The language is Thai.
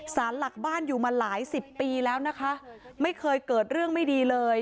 สารหลักบ้านอยู่มาหลายสิบปีแล้วนะคะไม่เคยเกิดเรื่องไม่ดีเลย